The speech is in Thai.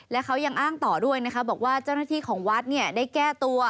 และเขายังอ้างต่อด้วยนะคะบอกว่าเจ้าหน้าที่ของวัดเนี่ยได้แก้ตัว